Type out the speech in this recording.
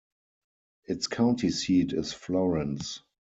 Its county seat is Florence.